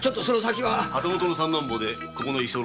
旗本の三男坊でここの居候だ。